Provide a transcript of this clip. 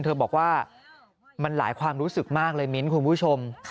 เธอบอกว่ามันหลายความรู้สึกมากเลยมิ้นคุณผู้ชม